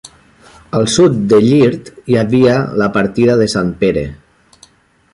Al sud de Llirt hi havia la partida de Sant Pere.